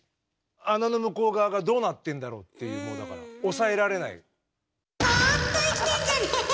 穴の向こう側がどうなってんだろうっていうもうだから抑えられない。